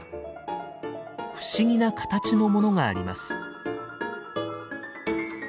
不思議な形のものがあります。